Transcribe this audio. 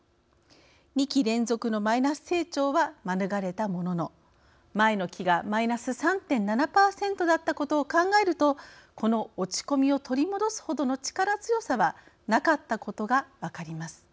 ２期連続のマイナス成長は免れたものの前の期がマイナス３．７％だったことを考えるとこの落ち込みを取り戻すほどの力強さはなかったことが分かります。